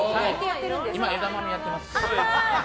今、枝豆やってます。